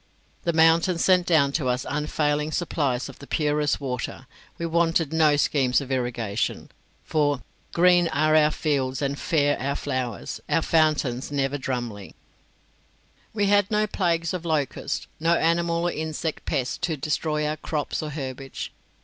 The mountains sent down to us unfailing supplies of the purest water; we wanted no schemes of irrigation, for "Green are our fields and fair our flowers, Our fountains never drumlie." We had no plagues of locust, no animal or insect pests to destroy our crops or herbage.